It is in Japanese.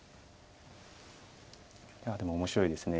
いやでも面白いですね。